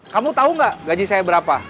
kamu tahu nggak gaji saya berapa